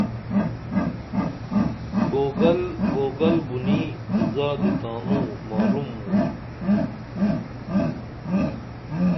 گوگل گوگل بُنیں زادی تانوں مارُم موں